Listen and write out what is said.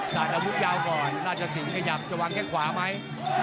อาวุธยาวก่อนราชสิงห์ขยับจะวางแข้งขวาไหม